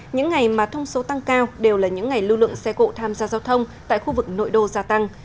những ngày mà thông số tăng cao đều là những ngày lưu lượng xe cộ tham gia giao thông tại khu vực nội đô gia tăng